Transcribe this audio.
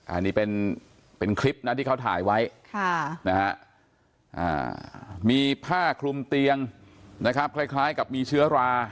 อันนี้เป็นคลิปนะที่เขาถ่ายไว้มีผ้าคลุมเตียงนะครับคล้ายกับมีเชื้อรา